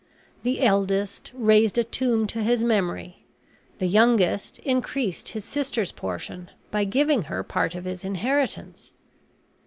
The eldest raised a tomb to his memory; the youngest increased his sister's portion, by giving her part of his inheritance.